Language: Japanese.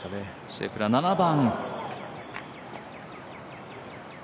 シェフラー、７番。